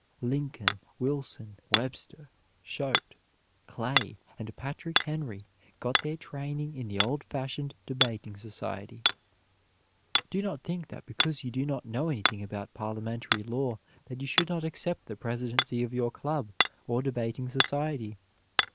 Lincoln, Wilson, Webster, Choate, Clay, and Patrick Henry got their training in the old fashioned Debating Society. Do not think that because you do not know anything about parliamentary law that you should not accept the presidency of your club or debating society.